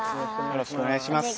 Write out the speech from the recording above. よろしくお願いします。